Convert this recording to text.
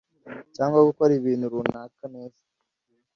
cyangwa gukora ibintu runaka neza